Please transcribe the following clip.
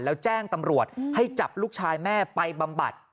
แล้วแจ้งตำรวจให้จับลูกชายแม่ไปบำบัด